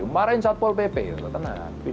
marahin satpol pp